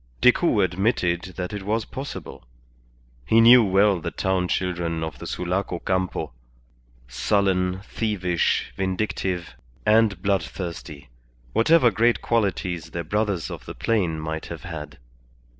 Decoud admitted that it was possible. He knew well the town children of the Sulaco Campo: sullen, thievish, vindictive, and bloodthirsty, whatever great qualities their brothers of the plain might have had.